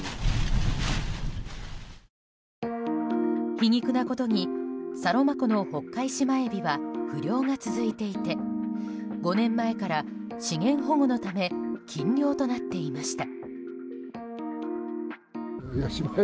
皮肉なことにサロマ湖のホッカイシマエビは不漁が続いていて５年前から、資源保護のため禁漁となっていました。